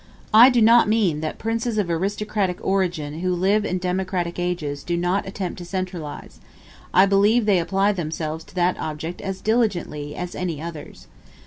I do not mean that princes of aristocratic origin who live in democratic ages do not attempt to centralize; I believe they apply themselves to that object as diligently as any others.